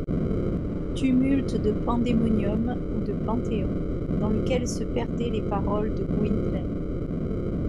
Tumulte de pandémonium ou de panthéon dans lequel se perdaient les paroles de Gwynplaine.